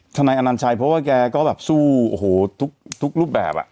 นายอนัญชัยเพราะว่าแกก็แบบสู้โอ้โหทุกรูปแบบ